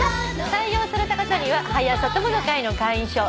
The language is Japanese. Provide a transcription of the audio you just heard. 採用された方には「はや朝友の会」の会員証そして。